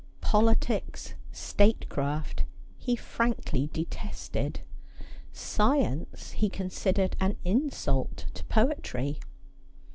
Politics, statecraft, he frankly detested ; science he considered an insult to poetry.